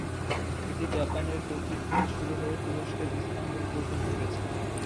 এটি জাপান এর টোকিও থেকে শুরু হয়ে তুরস্কের ইস্তাম্বুল পর্যন্ত গেছে।